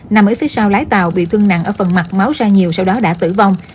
nằm ở phía sau lái tàu bị thương nặng ở phần mặt máu ra nhiều sau đó đã tử vong